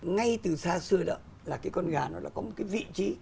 ngay từ xa xưa đó là cái con gà nó có một cái vị trí